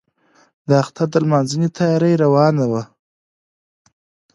د اختر د لمانځنې تیاري روانه وه.